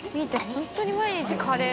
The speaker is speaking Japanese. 本当に毎日カレー。